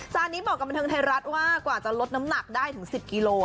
นี้บอกกับบันเทิงไทยรัฐว่ากว่าจะลดน้ำหนักได้ถึง๑๐กิโล